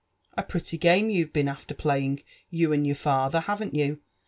A pretty game you've been after playing, ^ you and your father, haven't you?